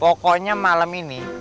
pokoknya malam ini